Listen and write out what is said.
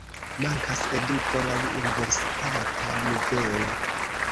Mankas eduko laŭ universitata nivelo.